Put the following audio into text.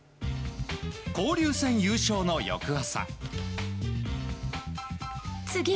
交流戦優勝の翌朝。